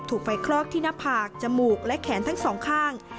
ถูกไฟคลอกที่หน้าผากจมูกและแขนทั้งสองข้าง